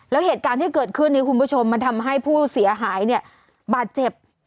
แล้วเหตุการณ์ที่เกิดขึ้นนี้คุณผู้ชมมันทำให้ผู้เสียหายเนี่ยบาดเจ็บ